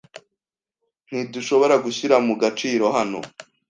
Ntidushobora gushyira mu gaciro hano?